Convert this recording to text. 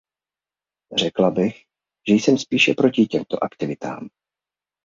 Řekla bych, že jsem spíše proti těmto aktivitám.